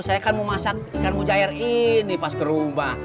saya kan mau masak ikan mujair ini pas ke rumah